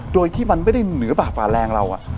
โดยที่มันไม่ได้เหนือป่าฝ่าแรงเรา